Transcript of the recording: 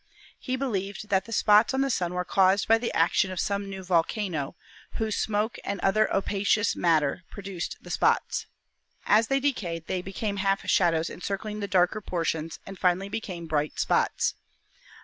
He believed that the spots on the Sun were caused by the action of some new volcano, whose smoke and other "opacous matter" produced the spots. As they decayed they became half shadows encircling the darker portions and finally became bright spots.